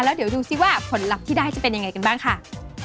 แล้วเดี๋ยวดูซิว่าผลลัพธ์ที่ได้จะเป็นยังไงกันบ้างค่ะ